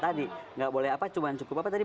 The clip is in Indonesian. tadi tidak boleh apa apa cuma cukup apa tadi